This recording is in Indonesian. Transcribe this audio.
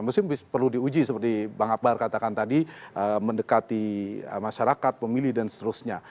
mesti perlu diuji seperti bang akbar katakan tadi mendekati masyarakat pemilih dan seterusnya